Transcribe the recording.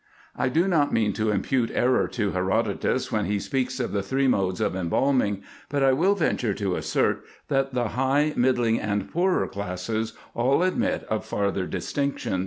I do not mean to impute error to Herodotus when he speaks of the three modes of embalming ; but I will venture to assert, that the high, middling, and poorer classes, all admit of farther distinction.